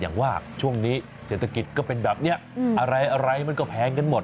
อย่างว่าช่วงนี้เศรษฐกิจก็เป็นแบบนี้อะไรมันก็แพงกันหมด